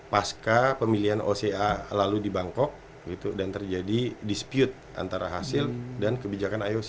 pasca pemilihan oca lalu di bangkok dan terjadi dispute antara hasil dan kebijakan ioc